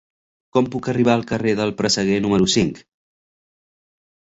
Com puc arribar al carrer del Presseguer número cinc?